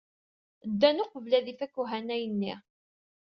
Ddan uqbel ad ifak uhanay-nni.